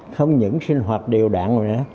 không những sinh hoạt điều đạn nữa